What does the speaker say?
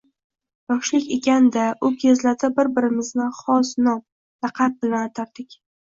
Yoshlik ekan-da, u kezlarda bir-birimizni xos nom — laqab bilan atardik..